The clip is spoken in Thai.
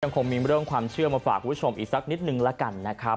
คงมีเรื่องความเชื่อมาฝากคุณผู้ชมอีกสักนิดนึงละกันนะครับ